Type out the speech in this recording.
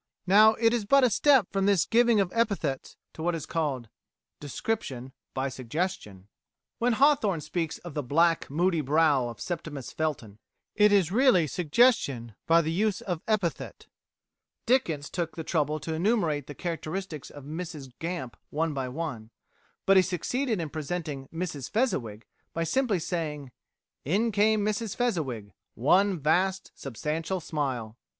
Now it is but a step from this giving of epithets to what is called DESCRIPTION BY SUGGESTION When Hawthorne speaks of the "black, moody brow of Septimus Felton," it is really suggestion by the use of epithet. Dickens took the trouble to enumerate the characteristics of Mrs Gamp one by one; but he succeeded in presenting Mrs Fezziwig by simply saying, "In came Mrs Fezziwig, one vast substantial smile."